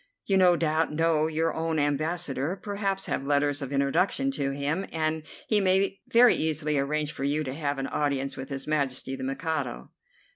You no doubt know your own Ambassador, perhaps have letters of introduction to him, and he may very easily arrange for you to have an audience with His Majesty the Mikado."